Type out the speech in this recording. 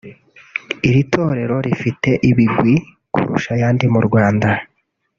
Iri torero rifite ibigwi kurusha ayandi mu Rwanda